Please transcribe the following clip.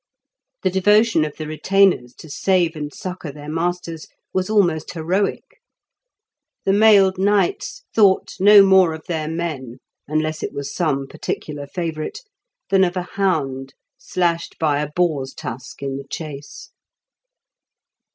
The devotion of the retainers to save and succour their masters was almost heroic. The mailed knights thought no more of their men, unless it was some particular favourite, than of a hound slashed by a boar's tusk in the chase.